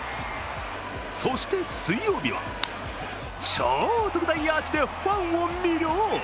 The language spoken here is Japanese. そして水曜日は、超特大アーチでファンを魅了。